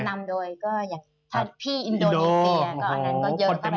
นำโดยถ้าพี่อินโดนิสเซียก็เยอะกว่าไปแล้ว